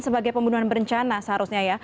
sebagai pembunuhan berencana seharusnya ya